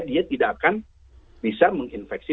dia tidak akan bisa menginfeksi